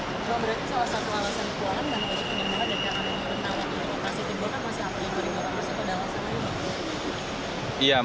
berarti salah satu alasan kekuatan dan penyembuhan adalah karena penyembuhan masih dikuburkan masih apel yang berimbaan masih ke dalam